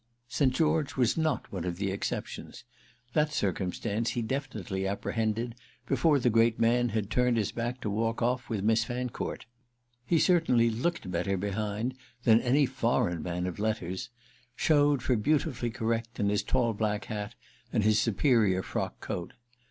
St. George was not one of the exceptions; that circumstance he definitely apprehended before the great man had turned his back to walk off with Miss Fancourt. He certainly looked better behind than any foreign man of letters—showed for beautifully correct in his tall black hat and his superior frock coat.